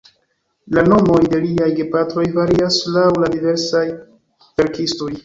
La nomoj de liaj gepatroj varias laŭ la diversaj verkistoj.